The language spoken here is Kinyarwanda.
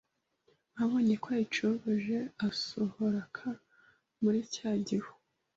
Abonye ko ayicogoje asohoroka muri cya gihu